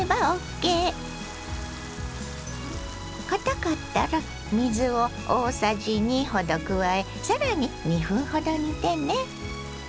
かたかったら水を大さじ２ほど加え更に２分ほど煮てね。